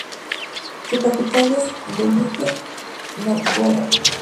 Su capital es Veliki Nóvgorod.